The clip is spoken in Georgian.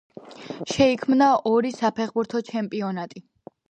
შეიქმნა ორი საფეხბურთო ჩემპიონატი.